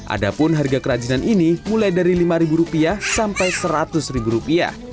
ada pun harga kerajinan ini mulai dari rp lima sampai rp seratus